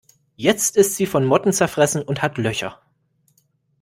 Jetzt ist sie von Motten zerfressen und hat Löcher.